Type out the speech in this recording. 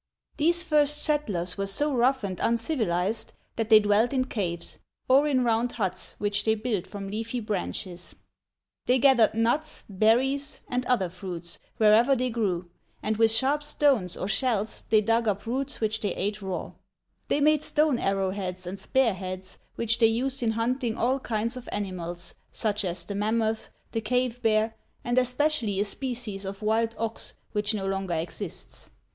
These first settlers were so rough and uncivilized that they dwelt in caves, or in round huts which they built from leafy branches. They gathered nuts, berries, and r"i >fhii fit ■!<* A Tragedy of the Stone Age. II Digitized by Google 12 OLD FRANCE other fruits wherever they grew, and with sharp stones or shells they dug up roots which they ate raw. They made stone arrowheads and spearheads, which they used in hunting all kinds of animals, such as the mammoth, the cave bear, and especially a species of wild ox which no longer exists.